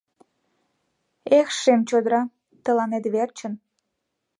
Эх, шем чодыра, тыланет верчын